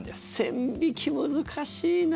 線引き難しいな。